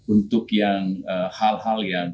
untuk yang hal hal yang